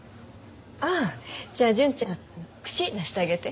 ああじゃあ純ちゃん串出してあげて。